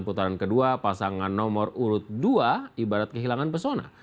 pertama pasangan nomor urut dua ibarat kehilangan pesona